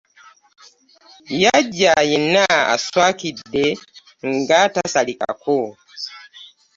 Yajja yenna aswaakidde nga tasalikako.